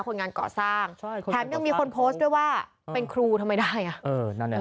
คนงานเกาะสร้างแถมยังมีคนโพสต์ด้วยว่าเป็นครูทำไมได้อ่ะ